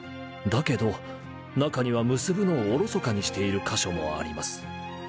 だけど中には結ぶのをおろそかにしている箇所もあります